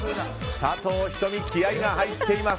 佐藤仁美、気合が入っています。